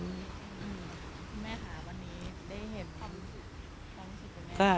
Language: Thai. คุณแม่ค่ะวันนี้ได้เห็นความรู้สึกของสิ่งตัวแม่